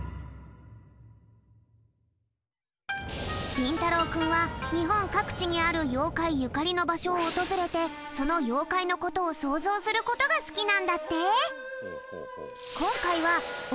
りんたろうくんはにほんかくちにあるようかいゆかりのばしょをおとずれてそのようかいのことをそうぞうすることがすきなんだって！